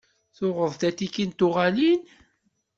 Tuɣeḍ-d atiki n tuɣalin?